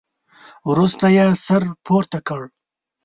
وروسته يې سر پورته کړ.